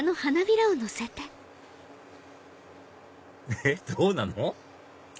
えっどうなの？